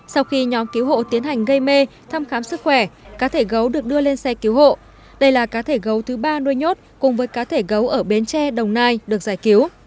sau khi nhóm cứu hộ tiến hành gây mê thăm khám sức khỏe cá thể gấu được đưa lên xe cứu hộ đây là cá thể gấu thứ ba nuôi nhốt cùng với cá thể gấu ở bến tre đồng nai được giải cứu